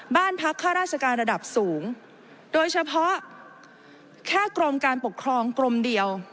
บ้านพักข้าราชการระดับสูงโดยเฉพาะแค่กรมการปกครองกรมเดียว